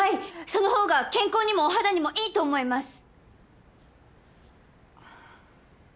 その方が健康にもお肌にもいいと思います！